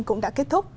cũng đã kết thúc